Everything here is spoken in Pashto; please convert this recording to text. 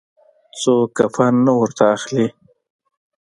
څوک کفن نه ورته اخلي.